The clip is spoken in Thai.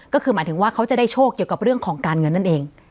ก็คือหมายถึงว่าเขาจะได้โชคเกี่ยวกับเรื่องของการเงินนั่นเอง